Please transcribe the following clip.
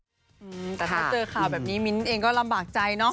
แต่ถ้าเจอข่าวแบบนี้มิ้นเองก็ลำบากใจเนอะ